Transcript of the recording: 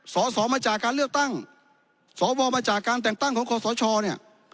สอสอมาจากการเลือกตั้งสวมาจากการแต่งตั้งของคอสชเนี่ย